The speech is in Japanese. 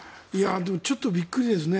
でもちょっとびっくりですね。